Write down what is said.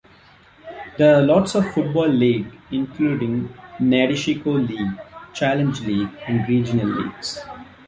There are lots of football league, including Nadeshiko League, Challenge League and regional leagues.